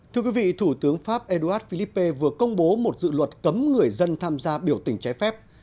thưa quý vị thủ tướng pháp édouard philippe vừa công bố một dự luật cấm người dân tham gia biểu tình trái phép